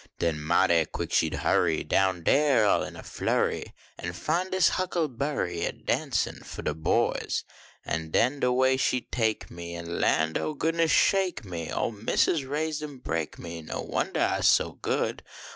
Den mighty quick she d hurrv Down dar all in a flurry. An fin dis huckleberry A dancin fo de boys. An den de way she d take me, An lamd ob goodness, shake me ! Ol missus raised an brake me, \<> wondah Isc so good.